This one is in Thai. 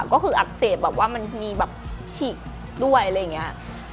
ก็คืออักเสบแบบว่ามันมีแบบฉีกด้วยอะไรอย่างนี้